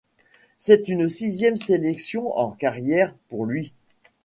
C'est une sixième sélection en carrière pour lui.